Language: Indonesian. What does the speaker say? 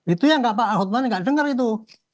itu yang pak hotman nggak dengar itu